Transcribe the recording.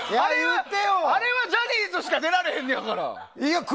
あれはジャニーズしか出られへんのやから。